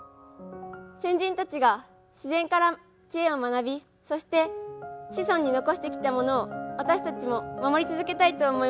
先人たちが自然から知恵を学びそして子孫に残してきたものを私たちも守り続けたいと思います。